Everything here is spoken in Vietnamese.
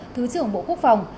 thứ trưởng bộ quốc phòng